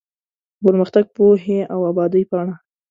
د پرمختګ ، پوهې او ابادۍ پاڼه